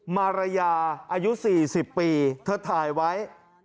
มารยาอายุ๔๐ปีเธอถ่ายไว้